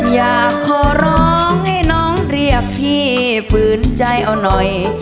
อยากขอร้องให้น้องเรียกพี่ฝืนใจเอาหน่อย